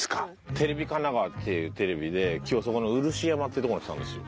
テレビ神奈川っていうテレビで今日そこの漆山ってとこに来たんですよ。